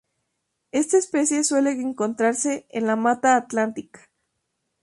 Esta especie suele encontrarse en la mata atlántica.